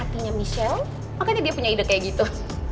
artinya michelle makanya dia punya ide kayak gitu